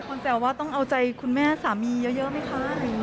ความแสดงว่าต้องเอาใจคุณแม่สามีเยอะไหมคะ